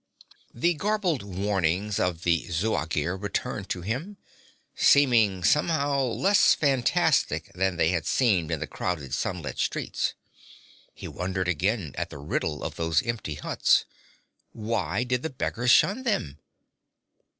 The garbled warnings of the Zuagir returned to him, seeming somehow less fantastic than they had seemed in the crowded, sunlit streets. He wondered again at the riddle of those empty huts. Why did the beggars shun them?